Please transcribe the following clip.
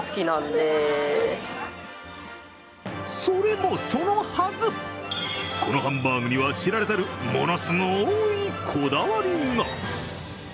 それもそのはず、このハンバーグには知られざる、ものすごいこだわりが。